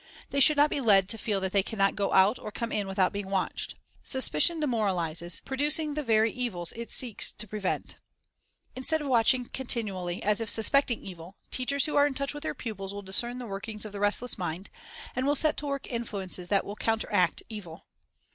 They should not be led to feel that they can not go out or come in without being watched. Suspicion demoralizes, 19 • Joshua 2.) : 15. 290 The Under Teacher Requests; Commands Enforcing Rules producing the very evils it seeks to prevent Instead of watching continually, as if suspecting evil, teachers who are in touch with their pupils will discern the workings of the restless mind, and will set to work influences that will counteract evil.